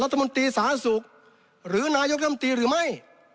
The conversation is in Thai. รัฐมนตรีสาธารณสุขหรือนายกรรมตรีหรือไม่